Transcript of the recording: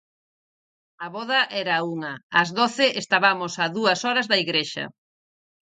A voda era a unha, ás doce estabamos a dúas horas da igrexa.